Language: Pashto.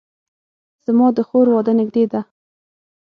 زما د خور واده نږدې ده